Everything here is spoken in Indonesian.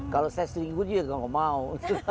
kalau saya seminggu dia tidak mau